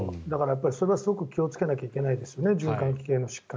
だからすごく気をつけないといけないですね。